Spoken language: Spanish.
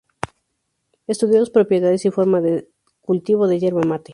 Estudió las propiedades y forma de cultivo de Yerba mate.